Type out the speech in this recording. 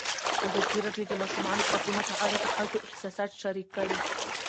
ازادي راډیو د د ماشومانو حقونه په اړه د خلکو احساسات شریک کړي.